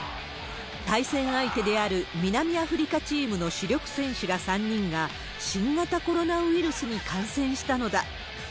対戦相手である南アフリカチームの主力選手ら３人が新型コロナウイルスに感染したのだ。